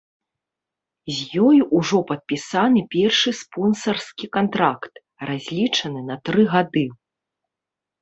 З ёй ужо падпісаны першы спонсарскі кантракт, разлічаны на тры гады.